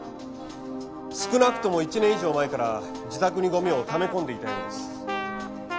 少なくとも１年以上前から自宅にゴミを溜め込んでいたようです。